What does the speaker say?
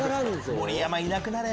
盛山いなくなれ！